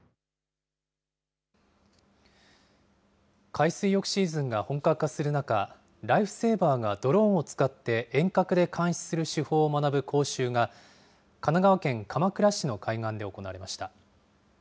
海水浴シーズンが本格化する中、ライフセーバーがドローンを使って遠隔で監視する手法を学ぶ講習が、神奈川県鎌倉市の海岸で行われました。